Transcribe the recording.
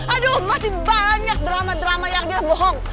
aduh masih banyak drama drama yang dia bohong